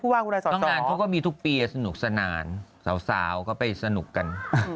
งานเขาก็มีทุกปีสนุกสนานสาวก็ไปสนุกกัน